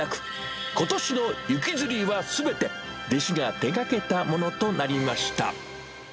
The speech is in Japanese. ことしの雪吊りは、すべて弟子が手がけたものとなりました。